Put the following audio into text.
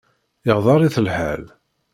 Iɣḍer-it lḥal.